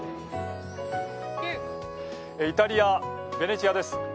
イタリア・ベネチアです。